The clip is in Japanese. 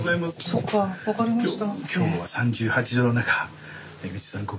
そっか分かりました。